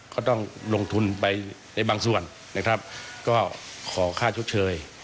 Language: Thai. ก็ต้องลงทุนไปในบางส่วนนะครับก็ขอค่าชดเชย